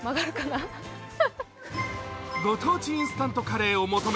ご当地インスタントカレーを求め